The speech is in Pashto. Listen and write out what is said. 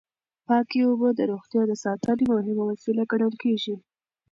پاکې اوبه د روغتیا د ساتنې مهمه وسیله ګڼل کېږي.